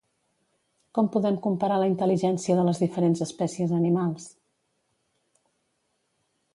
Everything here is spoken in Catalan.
Com podem comparar la intel·ligència de les diferents espècies animals?